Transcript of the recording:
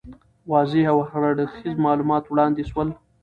واضح او هر اړخیز معلومات وړاندي سول.